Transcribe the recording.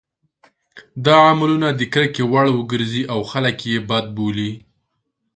دا عملونه د کرکې وړ وګرځي او خلک یې بد بولي.